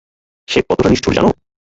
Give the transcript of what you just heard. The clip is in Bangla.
সে কতটা নিষ্ঠুর জানো?